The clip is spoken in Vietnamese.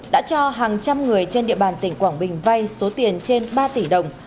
đã cho hàng trăm người trên địa bàn tỉnh quảng bình vay số tiền trên ba tỷ đồng